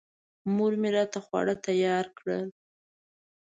مور مې راته خواړه تیار کړل.